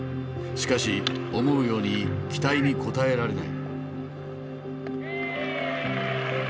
しかし思うように期待に応えられない。